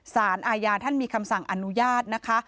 สารอาญาท่านมีคำสั่งอนุญาตนะคะ